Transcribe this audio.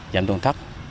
giảm tổn thất